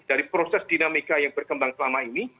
dari proses dinamika yang berkembang selama ini